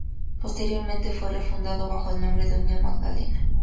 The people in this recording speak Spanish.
Posteriormente fue refundado bajo el nombre de Unión Magdalena.